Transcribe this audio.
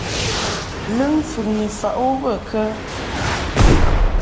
Lɨŋ mfɨŋni faʼ u bə kə ?